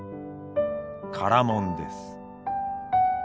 唐門です。